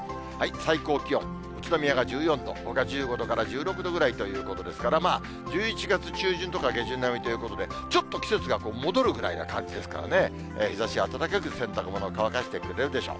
最高気温、宇都宮が１４度、ほか１５度から１６度ぐらいということですから、まあ１１月中旬とか、下旬並みということで、ちょっと季節が戻るぐらいな感じですからね、日ざしは暖かく、洗濯物を乾かしてくれるでしょう。